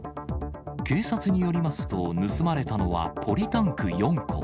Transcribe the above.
警察によりますと、盗まれたのはポリタンク４個。